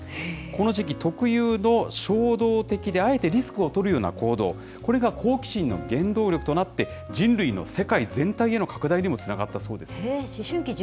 この時期、特有の衝動的であえてリスクを取るような行動、これが好奇心の原動力となって、人類の世界全体への拡大にもつながったそうです。